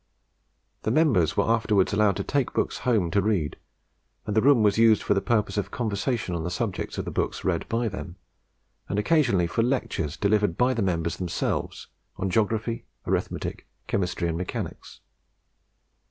The members were afterwards allowed to take the books home to read, and the room was used for the purpose of conversation on the subjects of the books read by them, and occasionally for lectures delivered by the members themselves on geography, arithmetic, chemistry, and mechanics.